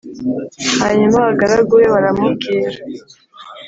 Hanyuma abagaragu be baramubwira